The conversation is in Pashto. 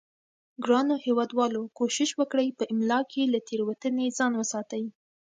ګرانو هیوادوالو کوشش وکړئ په املا کې له تیروتنې ځان وساتئ